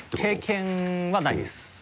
経験はないです。